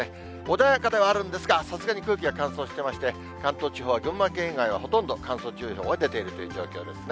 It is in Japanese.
穏やかではあるんですが、さすがに空気が乾燥してまして、関東地方は群馬県以外はほとんど乾燥注意報が出ているという状況ですね。